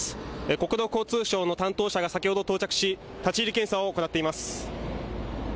国土交通省の担当者が先ほど到着し立ち入り検査を行っています。